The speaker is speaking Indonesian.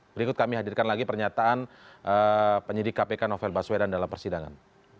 berikut kami hadirkan lagi pernyataan penyidik kpk novel baswedan dalam persidangan